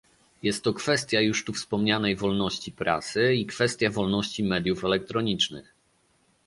Jest to kwestia już tu wspomnianej wolności prasy i kwestia wolności mediów elektronicznych